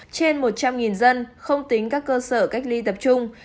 trên một trăm linh dân không tính các cơ sở cách ly tập trung